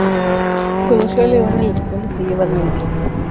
Conoció a León en la escuela y se llevan muy bien.